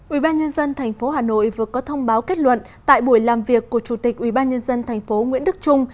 ubnd tp hà nội vừa có thông báo kết luận tại buổi làm việc của chủ tịch ubnd tp nguyễn đức trung